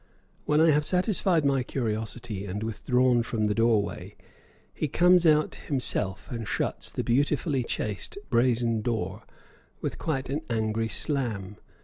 When I have satisfied my curiosity and withdrawn from the door way, he comes out himself and shuts the beautifully chased brazen door with quite an angry slam.